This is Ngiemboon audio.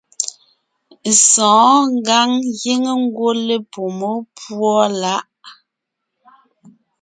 Sɔ̌ɔn ngǎŋ giŋ ngwɔ́ lepumé púɔ láʼ.